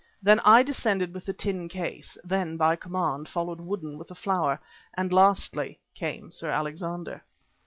Then I descended with the tin case; then, by command, followed Woodden with the flower, and lastly came Sir Alexander.